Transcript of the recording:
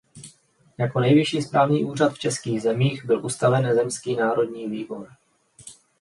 Jako nejvyšší správní úřad v českých zemích byl ustaven Zemský národní výbor.